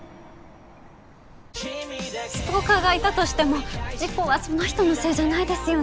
ストーカーがいたとしても事故はその人のせいじゃないですよね。